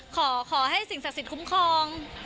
ขอให้สิ่งศักดิ์สิทธิคุ้มครอง